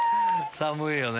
寒いよね。